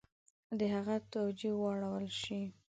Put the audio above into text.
د هغه توجه واړول شي.